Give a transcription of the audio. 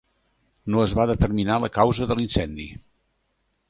No es va determinar la causa de l'incendi.